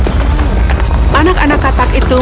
mereka menemukan anak anak katak yang bergoyang